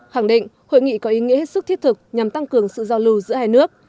khẳng định hội nghị có ý nghĩa hết sức thiết thực nhằm tăng cường sự giao lưu giữa hai nước